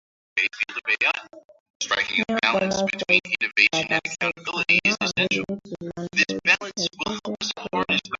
Nikolay Ivanovich Pirogov was a prominent Russian physician, scientist, and writer.